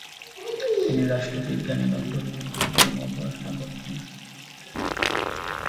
তিনি রাষ্ট্রবিজ্ঞান এবং পরিবেশ বিজ্ঞান নিয়ে পড়াশোনা করেছেন।